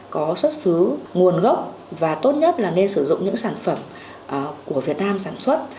có xuất xứ nguồn gốc và tốt nhất là nên sử dụng những sản phẩm của việt nam sản xuất